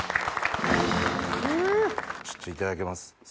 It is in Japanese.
ちょっといただきます